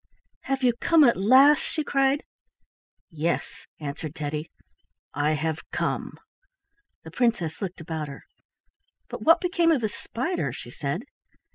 "Have you come at last?" she cried. "Yes," answered Teddy, "I have come." The princess looked about her. "But what became of the spider?" she said.